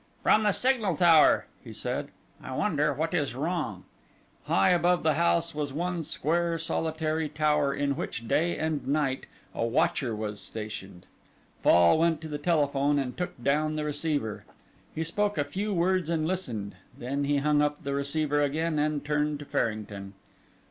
"From the signal tower," he said. "I wonder what is wrong." High above the house was one square solitary tower, in which, day and night, a watcher was stationed. Fall went to the telephone and took down the receiver. He spoke a few words and listened, then he hung up the receiver again and turned to Farrington.